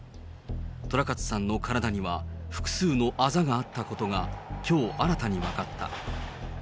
寅勝さんの体には複数のあざがあったことが、きょう新たに分かった。